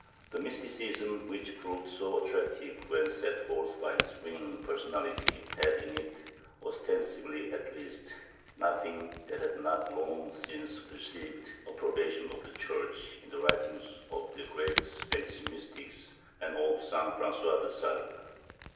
The mysticism which proved so attractive, when set forth by his winning personality, had in it — ostensibly at least — nothing that had not long since received the approbation of the Church in the writings of the great Spanish mystics and of St. Fran(,'ois de Sales.